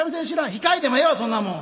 「弾かいでもええわそんなもん」。